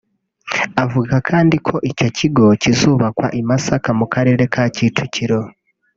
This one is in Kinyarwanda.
Avuga kandi ko icyo kigo kizubakwa i Masaka mu karere ka Kicukiro